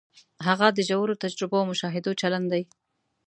هغه د ژورو تجربو او مشاهدو چلن دی.